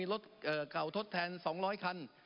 รถเก่าทดแทน๒๐๐คัน